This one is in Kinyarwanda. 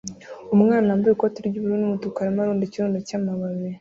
Umwana wambaye ikoti ry'ubururu n'umutuku arimo arunda ikirundo cy'amababi